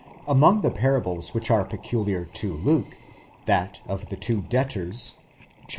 Among the parables which are peculiar to Luke, that of the two debtors {vii.